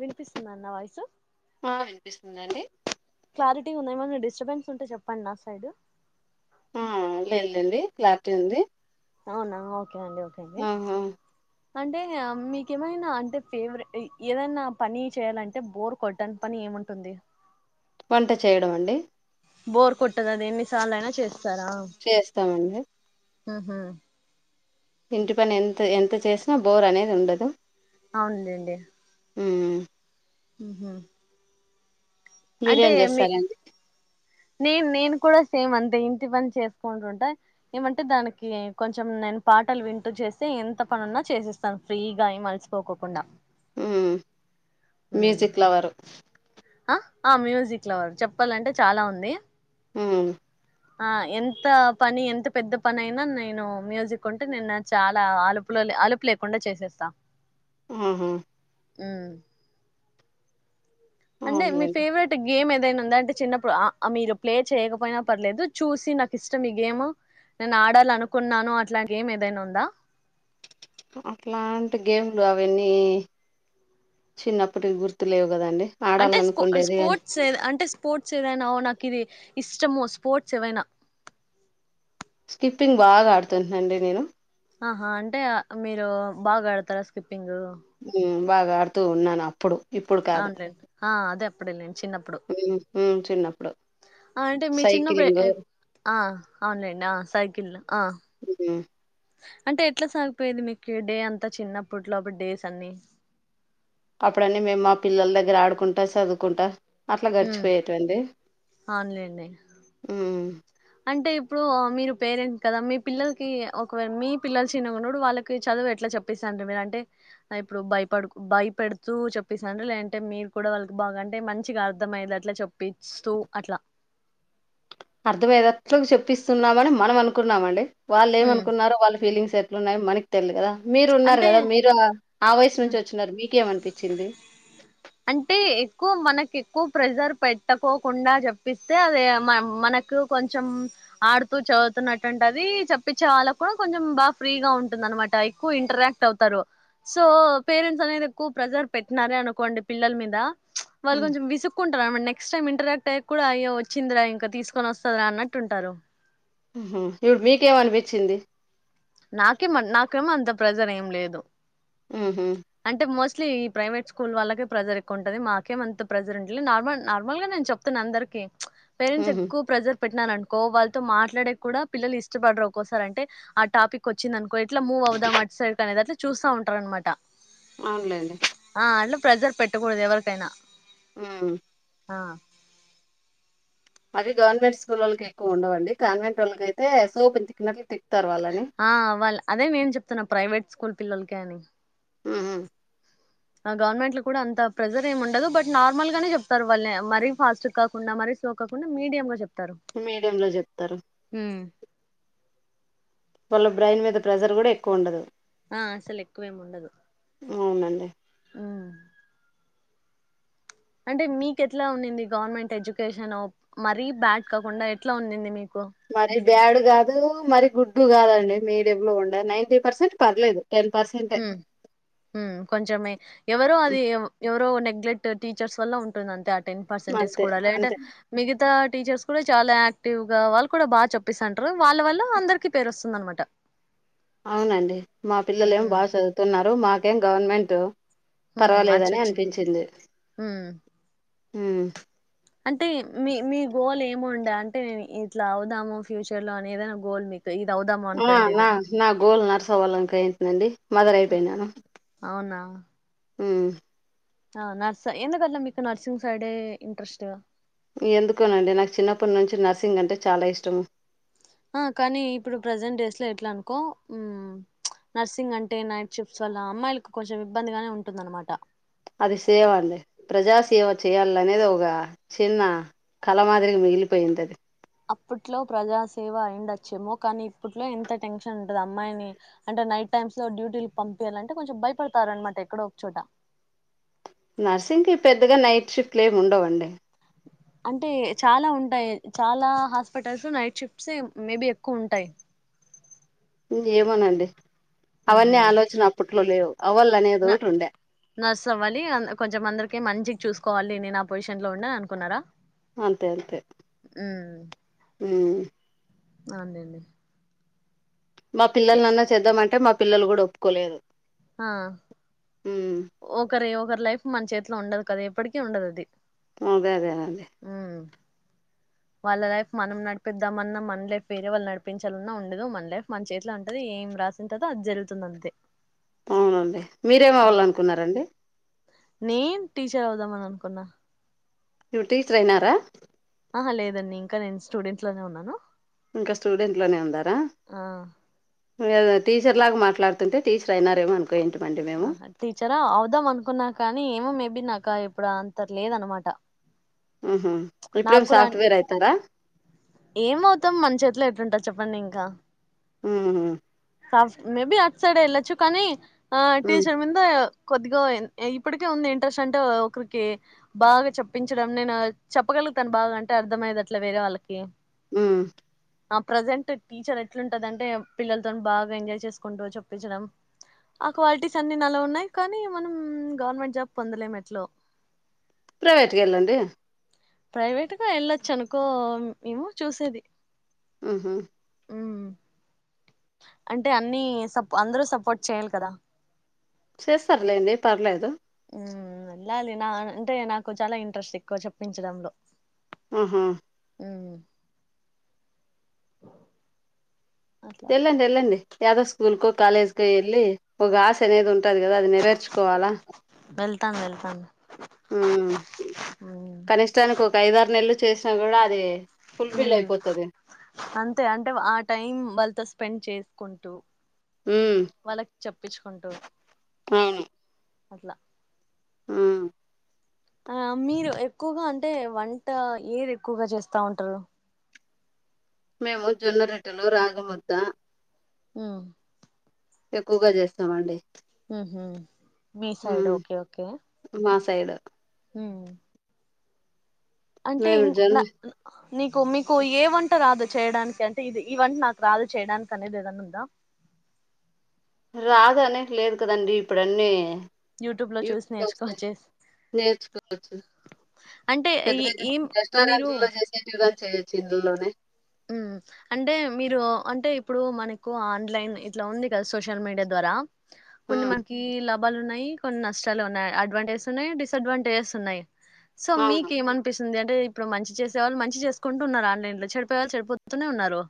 వినిపిస్తుంద నా వాయిసు ఉందండి క్లారిటీ ఉంద ఏమన్నా డిస్టర్బెన్స్ ఉంటే చెప్పండి నా సైడ్ ఆ లేదులేండి క్లారిటీ ఉంది అవునా ఓకే అండి ఓకే అండి ఆహా అంటే మీకేమైనా అంటే ఫేవరెట్ ఏదైనా పని చేయాలంటే బోర్ కొట్టని పని ఏ ఉంటుంది వంట చేయడం అండి బోర్ కొట్టదు అది ఎన్నిసార్లైనా చేస్ చేస్తామండి ఊహూ ఇంటి పని ఎంత ఎంత చేసినా బోర్ అనేది ఉండదు అవునులేండి మ్మ్ ఊహూ అంటే మీరేం మీ చేస్తారండి నేను నేను కూడా సేమ్ అంతే ఇంటి పని చేసుకుంటుంటా ఏమంటే దానికి కొంచెం నేను పాటలు వింటూ చేస్తే ఎంత పనున్నా చేసేస్తాను ఫ్రీగా ఏం అలిసిపోకోకుండా హ్మ్ మ్యూజిక్ లవరు ఆ ఆ మ్యూజిక్ లవర్ చెప్పాలంటే చాలా ఉంది ఊ ఆ ఎంత పని ఎంత పెద్ద పని అయినా నేను మ్యూజిక్ ఉంటే నేను నా చాలా అలుపులో [inaudible] అలుపు లేకుండా చేసేస్తా ఊహూ ఊ అంటే మీ అవునులేండి ఫేవరేట్ గేమ్ ఏ దైనా ఉందా అంటే చిన్నప్పుడు ఆ మీరు ప్లే చేయకపోయినా పర్లేదు చూసి నాకు ఇష్టం ఈ గేమ్ నేను ఆడాలనుకున్నాను అట్లా గేమ్ ఏదైనా ఉందా అట్లాంటి గేమ్ లు అవన్నీ చిన్నప్పటివి గుర్తులేవు కదండి అంటే స్పో ఆడాలనుకుండేది కాని స్పోర్ట్స్ అంటే స్పోర్ట్స్ ఏదైనా నాకు ఇది ఇష్టము స్పోర్ట్స్ ఏవైనా స్కిప్పింగ్ బాగా ఆడుతుంటినండి నేను ఆహా అంటే మీరు బాగా ఆడతారా స్కిప్పింగ్ మ్మ్ బాగా ఆడుతూ ఉన్నాను అప్పుడు ఇప్పుడు కాదు అవునులే ఆ అద ఎప్పుడేలేండి చిన్నప్పుడు మ్మ్ మ్మ్ చిన్నప్పుడు ఆ అంటే మీ చిన్నప్పుడు సైకిలింగు ఆ అవునులెండి ఆ సైకిళ్లు ఆ హు అంటే ఎట్లా సాగిపోయేది మీకు డే అంతా చిన్నప్పట్లోటి డేస్ అన్ని అప్పుడన్నీ మేము మా పిల్లల దగ్గర ఆడుకుంటా చదువుకుంటా అట్లా గడిచిపోయేటవండి అవునులేండి ఊ అంటే ఇప్పుడు ఆ మీరు పేరెంట్ కదా మీ పిల్లలకి ఒకవేళ మీ పిల్లలు చిన్నగున్నప్పుడు వాళ్ళకి చదువు ఎట్లా చెప్పిస్తాను మీరు అంటే ఇప్పుడు భయపడు భయపేడుతూ చెప్పేస్తాను లేదంటే మీరు కూడా వాళ్ళకి అంటే మంచిగా అర్థమయ్యేటట్లు చెప్పిస్తూ అట్ల అర్థమయ్యేట్లు చెప్పిస్తున్నామని మనం అనుకున్నామండి వాళ్ళు ఎం హ్మ్. అనుకున్నారో వాళ్ళ ఫీలింగ్స్ ఎట్లు ఉన్నాయె మనకి తెలిదు కదా మీరు ఉన్నారు అంటే కదా మీరు ఆ వయసు ఉ నుంచి వచ్చున్నారు మీకేమనిపించింది అంటే ఎక్కువ మనకు ఎక్కువ ప్రెజర్ పెట్టకోకుండా చెప్పిస్తే అదే మ మనకు కొంచెం ఆడుతూ చదువుతున్నట్టుంటి అది చప్పించే వాళ్ళకు కూడా కొంచెం బాగా ఫ్రీగా ఉంటుంది అనమాట ఎక్కు ఇంటరాక్ట్ అవుతారు సో పేరెంట్స్ అనేది ఎక్కువ ప్రెజర్ పెట్టినారే అనుకోండి పిల్లల మీద ప్చ్ వాళ్ళు కొంచెం విసుక్కుంట నెక్స్ట్ టైమ్ ఇంటరాక్ట్ అయ్య కూడా అయ్య వచ్చిందిరా ఇంకా తీసుకొని వస్తారా అన్నట్టు ఉంటారు ఉహు ఇప్పుడు మీకేం అనిపించింది నాకేమ నాకేమో అంత ప్రేజర్ ఎం లేదు ఉహు అంటే మోస్ అస్లీ ఈ ప్రైవేట్ స్కూల్ వాళ్ళకి ప్రెజర్ ఎక్కువ ఉంటది మాకేమంత ప్రెజర్ ఉంటలే నార్మల్ నార్మల్గా నేను చెప్తున్న అందరికీ ప్చ్ పేరెంట్స్ ఉహు ఎక్కువ ప్రెజర్ పెట్టినాను అనుకో వాళ్ళతో మాట్లాడే కూడా పిల్లలు ఇష్టపడరు ఒక్కోసారి అంటే ఆ టాపిక్ వచ్చింది అనుకో అట్లా మూ అవుదాం అటు సైడ్ అనేది అట్లా చూస్తా ఉంటారనమాట అవునులెండి ప్రెజర్ పెట్టకూడదు ఎవరికైనా ఉమ్ ఆ అవి గవర్నమెంట్ స్కూల్లోలకి ఎక్కువ ఉండవండి కాన్వెంట్ వాళ్ళకైతే సోప తికిన్నట్లు ఆ అ అదే నేను చెప్తున్నా ప్రైవేట్ స్కూల్ పిల్లలకే అని ఉహ్ గవర్నమెంట్ లో కూడా అంత ప్రెజర్ ఏమి ఉండదు బట్ నార్మల్ గానే చెప్తారు వాళ్ళని మరీ ఫాస్ట్ కాకుండా మరీ సోకకుండా మీడియ చె మీడియం లో చెప్తారు వాళ్ళ బ్రెయిన్ మీద ప్రెజర్ కూడా ఎక్కువ ఉండదు ఆ అసలు ఎక్కువేమి ఉండదు అవునండి ఆ అంటే మీకు ఎట్లా ఉన్నింది గవర్నమెంట్ ఎడ్యుకేషన్ మరీ బ్యాడ్ కాకుండా ఎట్లా ఉంది మీకు మరి బ్యాడ్ కాదు మరి గుడ్డు కాదండి మీడియం లో ఉండే నైన్టీ పర్సెంట్ పర్లేదు టెన్ పర్సెంటే కొంచంచమే ఎవరు అది ఎ ఎవరు నెగ్లెక్ట్ టీచర్స్ వల్ ఉంటుంది అంతే ఆ టెన్ పర్సెంటేజ్ అంతే కూడా లేదంటేయ్ అంతే మిగతా టీచర్స్ కూడా చాలా యాక్టివ్ గా వాళ్ళు కూడా బాగా చెప్పస్తంటారు వాళ్ళ వల్ల అందరికి పేరు వస్తుంద అనమాట అవునండి మా పిల్లలు ఏమి బాగా చదువుతున్నారు మాకేం గవర్నమెంట్ ఉమ్ పర్వాలేదని అచ్చొచ్చింది అనిపించింది ఉమ్ హ అంటే మీ మీ గోల్ ఏముండ అంటేే ఇట్లా అవుదాము ఫ్యూచర్ లో అని ఏదైనా గోల్ మీకు ఇది అవుదాము ఆ అనుకోండేది నా గోల్ నర్స్ అవ్వాలనుకున్నాను కానీ మదర్ అయిపోయినాను అవునా ఉమ్ ఆ నర్స్ ఎందుకసలు మీకు నర్సింగ్ సైడే ఇంట్రెస్ట్ ఎందుకోనండి నాకు చిన్నప్పటి నుంచి నర్సింగ్ అంటే చాలా ఇష్టము ఆ కానీ ఇప్పుడు ప్రజెంట్ డేస్ లో ఎట్లా అనుకో ప్చ్ నర్సింగ్ అంటే నైట్ షిఫ్ట్ వల్ల అమ్మాయిలకు కొంచెం ఇబ్బందిగానే ఉంటుందన్నమాట అది సేవ అండి ప్రజా సేవ చేయాలనేది ఒక చిన్న కల మాదిరికి మిగిలిపోయింది అది అప్పట్లో ప్రజాసేవ అయి ఉండొచ్చేమో కానీ ఇప్పట్లో ఎంత టెన్షన్ ఉంటది అమ్మాయిని అంటే నైట్ టైమ్స్ లో డ్యూటీలు పంపియాలంటే కొంచెం భయపడతారన్నమాట ఎక్కడో ఒక చోట నర్సింగ్ కి పెద్దగా నైట్ షిఫ్ట్ లు ఏమి ఉండవండి అంటే చాలా ఉంటాయి చాలా హాస్పిటల్స్ నైట్ షిఫ్ట్స్ మేబి ఎక్కువ ఉంటాయి ఏమోనండి మ్మ్ అవన్నీ హ్మ్ ఆలోచన అప్పట్లో లేవు అవల్ అనేది ఒకటి ఉండే నర్స్ అవ్వాలి కొంచెం అందరిని మంచికి చూసు కోవాలి నేను ఆ పొజిషన్లో ఉండాలి అని అనుకున్నారా అంతే అంతే మ్మ్ ప్చ్ అండి మా పిల్లలు చేద్దామంటే మా పిల్లలు కూడా ఒప్పుకోలేదు ఆ హా ఉమ్ ఒకరి ఒకరి లైఫ్ మన చేతిలో ఉండదు కదా ఎప్పటికీ ఉండదు అది అదదే గదా ఉమ్. వాళ్ళ లైఫ్ మనం నడిపిద్దాంమన్నా మన లైఫ్ వేరే వాళ్ళ నడిపించాలన్నా ఉండదు మన లైఫ్ మన చేతిలో ఉంటది రాసి ఉంటాదో అది జరుగుతుంది అంతే అవునండి మీరేమి ఉమ్. అవ్వాలనుకున్నారండి నేను టీచర్ అవుదామని అనుకున్నా టీచర్ ఐనరా ఆహా లేదండి ఇంకా నేను స్టూడెంట్స్ లోనే ఉన్నాను ఇంకా స్టూడెంట్ లోనే ఉన్నారా ఆ టీచర్ లాగా మాట్లాడుతుంటే టీచర్ అయినారేమో అనుకున్న టీచరా అవుదాం అనుకున్నాను కానీ కానీ ఏమో మేబి నాక ఇప్పుడు అంత లేదు అన్నమాట మ్మ్ హ్హ్ ఇప్పుడేం సాఫ్ట్వేర్ అయితుందా ఏమవుతాం మన చేతిలో ఎట్లుంటది చెప్పండి ఇంకా హు హ్ సాఫ్ట్ మేబి అట్ సైడే వెళ్ళొచ్చు కానీ ఆ ఉమ్ టీచర్ మీద కొద్దిగా ఇప్పటికే ఉంది ఇంట్రెస్ట్ అంటే ఒకరికి బాగా చెప్పించడం నేను చెప్పగ తను బాగాంట అర్థమయ్యేట్టు వేరే వాళ్ళకి మ్మ్ ఆ ప్రజెంట్ టీచర్ ఎట్లుంటదంటే పిల్లలతో బాగా ఎంజాయ్ చేసుకుంటూ చేప్పించడం ఆ క్వాలిటీస్ అన్ని నాలో ఉన్నాయి కానీ మనం గవర్నమెంట్ జాబ్ పొందలేం ఎట్లో ప్రైవేట్ కి వెళ్ళండి ప్రైవేట్గా వెళ్ళొచ్చు అనుకో మేమో చూసేది మ్మ్ హ్హ్ ఉమ్, అంటే అన్ని అందరూ సపోర్ట్ చేయాలి కదా చేస్తారులేండి పర్లేదు వెళ్ళాలి నా అంటే నాకు చాలా ఇంట్రెస్ట్ ఎక్కువ చెప్పించడంలో మ్మ్ హ్హ్ అ ఏళ్లండి ఏళ్లండి ఏదో స్కూల్కో కాలేజ్కో వెళ్ళి ఒక ఆశ అనేది ఉంటది కదా అది నెరవెర్చుకోవాలి వెళ్తా వెళ్తానా ఉ కనిష్టానికి ఒక ఐదారు నెలలు చేసినా కూడా అది, హ ఫుల్ఫిల్ అయిపోతది అంతే అంటే ఆ టైం వాళ్ళతో స్పెండ్ చేసుకుంటూ ఉమ్ వాళ్ళకి చెప్పించుకుంటూ అట్లా ఆ ఆ మీరు ఎక్కువగా అంటే వంట ఏది ఎక్కువగా చేస్తా ఉంటారు. మేము జొన్న రెట్టెలు, రాగిముద్ద ఆ ఎక్కువగా చేస్తామండి. ఉహు మీ సైడ్ ఓకే ఓకే సైడు హు అంటే మేము ఇం జొన్న నీకు మీకు ఏ వంట రాదు చేయడానికి అంటే ఇది ఈ వంట నాకు రాదు చేయడానికి అనేది ఏదనా ఉందా, [unintelligible] రాదు అనేసి లేదు కాదండి ఇప్పుడున్నీ యూట్యూబ్ చూసి యూటూబ్ లో చూస్తే నేర్చుకోచ్చేసి నేర్చుకోవచ్చు, అంటే పెద్ద ఈ పెద్ద ఏం మీరు రెస్టారెంట్లలో చేసేగటివి చేయొచ్చు ఇందులోనే, ఉ అంటే మీరు అంటే ఇప్పుడు మనకు ఆన్లైన్ ఇట్లా ఉంది. కదా సోషల్ మీడియా ద్వారా కొన్ని ఉమ్ మనకి లాభాలు ఉన్నాయి, కొన్ని నష్టాలు ఉన్నాయి, అడ్వాంటేజెస్ ఉన్నాయి డిసడ్వాంటేజెస్ ఉన్నాయి. సో అవును మీకు ఏమనిపిస్తుంది. అంటే ఇప్పుడు మంచి చేసేవాళ్ళు మంచి చేసుకుంటు ఉన్నారు, ఆన్లైన్ లో చె చెప్పేళ చెడిపోతూనే ఉన్నారు.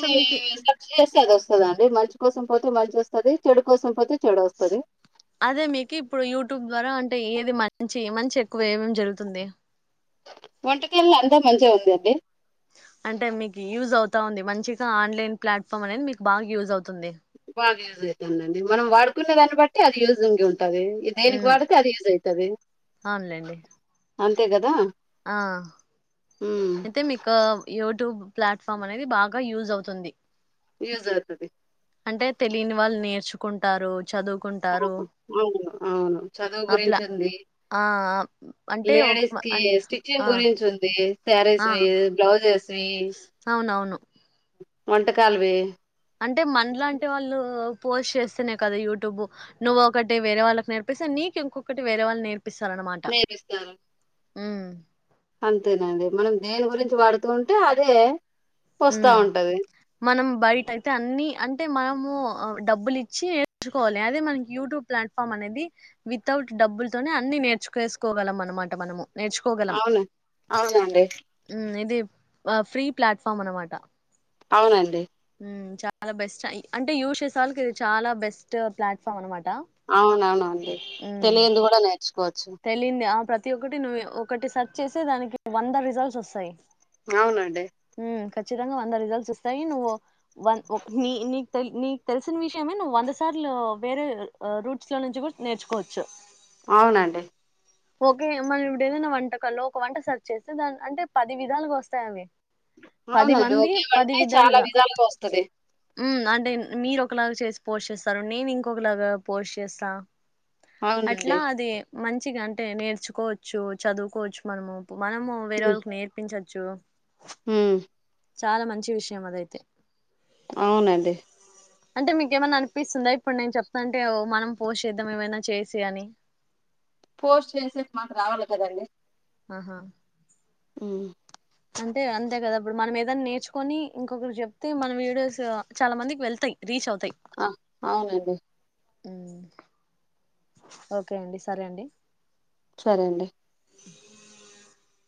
సో మీకు సబ్ చేస్తే అది వస్తదండి మంచి కోసం పోతే మంచి వస్తుది చెడు కోసం పోతే చెడు వస్తది అదే మీకు ఇప్పుడు యూ యూట్యూబ్ ద్వారా అంటే ఏది మంచి మంచి ఎక్కువ ఏం జరుగుతుంది. వంటకేమో అంతా మంచిగా ఉండిది. అంటే మీకు యూజ్ అవుతా ఉంది మంచిగా ఆన్లైన్ ప్లాట్ఫామ్ అనేది మీకు బాగా యూజ్ అవుతుంది. బాగా యూజ్ అవుతుందండి మనం వాడుకునే దాన్ని బట్టి అది యూజింగ్ ఉంటుంది. ఈ దేనికి మ్మ్ వాడితే అది యూజ్ అయితది. అవునులేండి అంతే కదా ఆ ఉమ్ అయితే మీకు యూట్యూబ్ ప్లాట్ఫామ్ అనేది బాగా యూజ్ అవుతుంది. యూజ్ అవుతది అంటే తెలియని వాళ్ళు నేర్చుకుంటారు చదువుకుంటారు. అవును అవును చదువు ఆ ప్లా గురించి ఉంది ఆ ఆ, అంటే ఒక లేడీస్ మ- కి అన్- స్టిచింగ్ ఆ గురించి ఉంది. శ్యారీస్ ఆ మీ బ్లౌజ్ స్ అవునవును వంటకాలువి అంటే మన లాంటి వాళ్ళు పోస్ట్ చేస్తేనే కద యూట్యూబ్ నువ్వు ఒకటి వేరే వాళ్ళకి నేర్పిస్తే నీకు ఇంకొటిే వేరే వాళ్ళు నేర్ పిస్తారు, ఉ అంతేనండి మనం దేని గురించి వాడుతూ ఉంటే అదే, ఉ వస్తా ఉంటది మనం బయట అయితే అన్ని అంటే టే మనము డబ్బులు ఇచ్చి నేర్చుకోవాలి అదే మనకి యూట్యూబ్ ప్లాట్ఫామ్ అనేది వితౌట్ డబ్బులతోనే అన్ని నేర్చుకెసుకోగలం అన్నమాట మనము, నేర్చుకోగలం అవును అవునండి ఇది ఫ్రీ ప్లాట్ఫార్మ్ అనమాట అవునండి చాలా బెస్ట్ అంటే యూజ్ చేస వాళ్ళకి ఇది చాలా బెస్ట్ ప్లాట్ఫామ్ అనమాట, అవునవును అండి తెలియందు కూడా నేర్చుకోవచ్చు తెలింది ఆ ప్రతి ఒక్కటి నువ్ ఒకటి సెర్చ్ చేసి దానికి వంద రిజల్ట్స్ వస్తయ్ అవునండి ఖచ్చితంగా వంద రిజల్ట్స్ వస్తాయి. నువ్వు వన్ నీ నీకు తెలిసిన విషయమే నువ్వు వంద సార్లు వేరే రూట్స్ లో నుంచి కూడా నేర్చుకోవచ్చు. అవునండి ఓకే మనమ్ ఏదైనా వంటకాల్లో ఒక వంట సెర్చ్ చేస్తే దాని అంటే పది విధాలుగా వస్తుంది పది అవునండి మంది ఒకే పది వంటే చాలా విధాలుగా వస్తది ఉ అంటే మీరు ఒకలాగా చేసి పోష్ చేస్తారు నేను ఇంకొకలాగా పోస్ చేస్తా అట్లా అవునండి అది మంచిగా అంటే నేర్చుకోవచ్చు. చదువుకోవచ్చు మనము. మనము వేరే వాళ్ళకి నేర్పించవచ్చు. హూమ్ చాలా మంచి విషయం అదైతే అవునండి అంటే మీక ఏమన్నా అనిపిస్తుందా ఇప్పుడు నేను చెప్తానంటే మనం పోష్ చేద్దాం ఏమైనా చేసి అని పోస్ట్ చేసేక్ మాకి రావాల కద అండి ఆహా ఉ అంటే అంతే కదా ఇప్పుడు మనం ఏదైనా నేర్చుకొని, ఇంకొకరు చెప్తే మన వీడియోస్ చాలా మందికి వెళ్తాయి. రీచ్ అవు ఆ అవునండి ఉమ్ ఓకే అండి సరే అండి సరే అండి అ